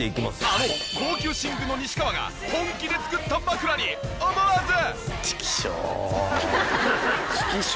あの高級寝具の西川が本気で作った枕に思わず。